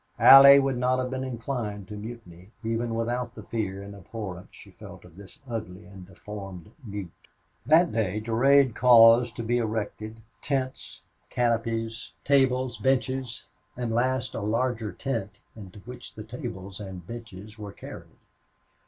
Allie would not have been inclined to mutiny, even without the fear and abhorrence she felt of this ugly and deformed mute. That day Durade caused to be erected tents, canopies, tables, benches, and last a larger tent, into which the tables and benches were carried.